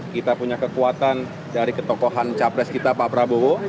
kita punya kekuatan dari ketokohan capres kita pak prabowo